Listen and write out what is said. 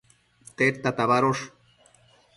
Tedta tabadosh ambo?